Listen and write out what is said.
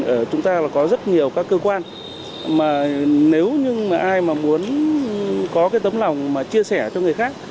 ở chúng ta là có rất nhiều các cơ quan mà nếu như mà ai mà muốn có cái tấm lòng mà chia sẻ cho người khác